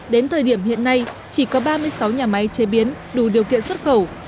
đến thời điểm hiện nay chỉ có ba mươi sáu nhà máy chế biến đủ điều kiện xuất khẩu